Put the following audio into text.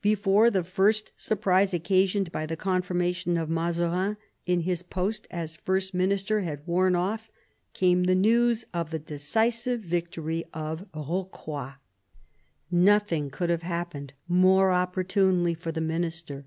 Before the first surprise occasioned by the confirmation of Mazarin in his post as First Minister had worn oflF came the news of the decisive victory of Rocroi. Nothing could have happened more opportunely for the minister.